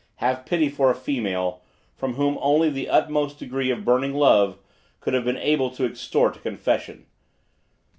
Have pity for a female, from whom only the utmost degree of burning love could have been able to extort a confession.